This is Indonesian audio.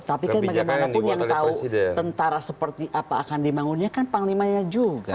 tapi kan bagaimanapun yang tahu tentara seperti apa akan dibangunnya kan panglimanya juga